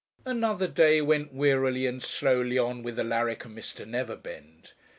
Another day went wearily and slowly on with Alaric and Mr. Neverbend.